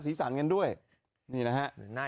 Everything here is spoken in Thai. สีสันกันด้วยนี่นะฮะ